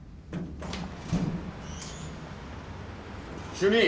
主任。